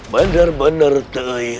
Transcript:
bandar bandar tengah air